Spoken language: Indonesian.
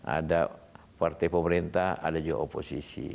ada partai pemerintah ada juga oposisi